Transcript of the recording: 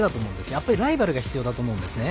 やっぱりライバルが必要だと思うんですよ。